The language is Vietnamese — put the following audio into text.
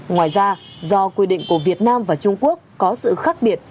ngoài ra do quy định của việt nam và trung quốc có sự khác biệt